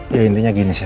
ya intinya gini sih